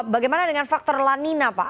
bagaimana dengan faktor lanina pak